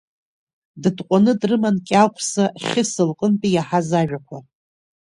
Дытҟәаны дрыман Кьаӷәса Хьыса лҟынтәи иаҳаз ажәақәа.